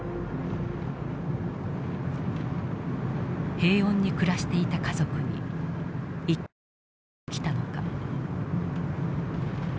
平穏に暮らしていた家族に一体何が起きたのか。